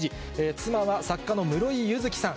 妻は作家の室井佑月さん。